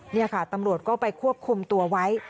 นี่ค่ะตำรวจก็ไปควบคุมตัวไว้